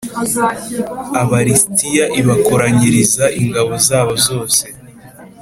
Aba lisitiya i bakoranyiriza ingabo zabo zose